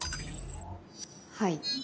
はい。